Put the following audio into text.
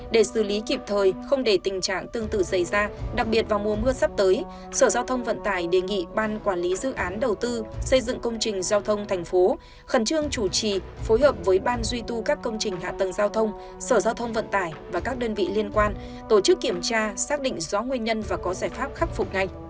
để xử lý kịp thời không để tình trạng tương tự xảy ra đặc biệt vào mùa mưa sắp tới sở giao thông vận tải đề nghị ban quản lý dự án đầu tư xây dựng công trình giao thông thành phố khẩn trương chủ trì phối hợp với ban duy tu các công trình hạ tầng giao thông sở giao thông vận tải và các đơn vị liên quan tổ chức kiểm tra xác định rõ nguyên nhân và có giải pháp khắc phục ngay